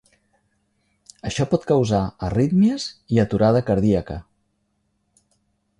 Això pot causar arrítmies i aturada cardíaca.